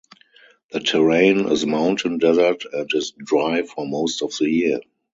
The terrain is mountain desert and is dry for most of the year.